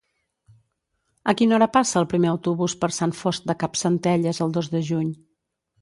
A quina hora passa el primer autobús per Sant Fost de Campsentelles el dos de juny?